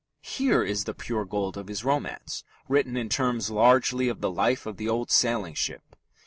Here is the pure gold of his romance written in terms largely of the life of the old sailing ship.